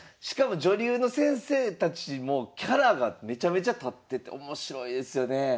しかも女流の先生たちもキャラがめちゃめちゃ立ってて面白いですよね。